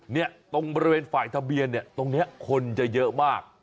เนี่ยตรงบริเวณฝ่ายทะเบียนเนี่ยตรงนี้คนจะเยอะมาก